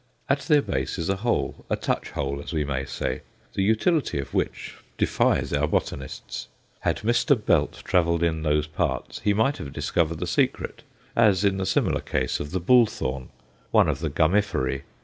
At their base is a hole a touch hole, as we may say, the utility of which defies our botanists. Had Mr. Belt travelled in those parts, he might have discovered the secret, as in the similar case of the Bullthorn, one of the Gummiferæ.